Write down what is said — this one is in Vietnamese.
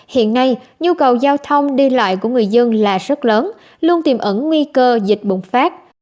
hiện nay nhu cầu giao thông đi lại của người dân là rất lớn luôn tiềm ẩn nguy cơ dịch bùng phát